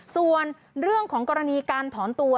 ส่วนเรื่องการกรณีของถอนตัว